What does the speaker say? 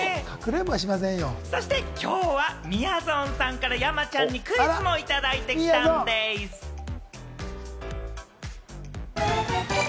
今日は、みやぞんさんから山ちゃんにクイズをいただいてきたんでぃす！女性）